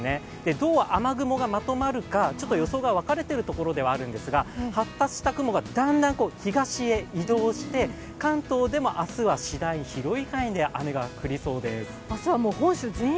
どう雨雲がまとまるか予想が分かれているところではあるんですが発達した雲がだんだん東へ移動して関東でも明日は次第に広い範囲で雨が降りそうです。